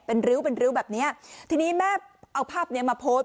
เป็นริ้วแบบนี้ทีนี้แม่เอาภาพนี้มาโพสต์